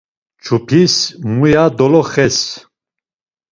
Çupis muya doloxes?